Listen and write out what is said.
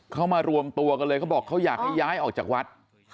เค้ิ้มารวมตัวก็บอกเค้าอยากให้ย้ายออกจากวัด